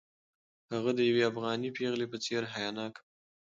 هغه د یوې افغانۍ پېغلې په څېر حیاناکه وه.